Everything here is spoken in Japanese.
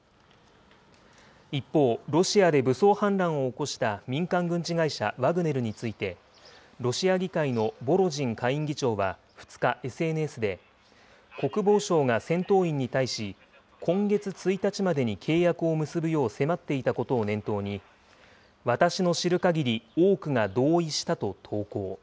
一方、ロシアで武装反乱を起こした民間軍事会社ワグネルについて、ロシア議会のボロジン下院議長は２日、ＳＮＳで、国防省が戦闘員に対し、今月１日までに契約を結ぶよう迫っていたことを念頭に、私の知るかぎり、多くが同意したと投稿。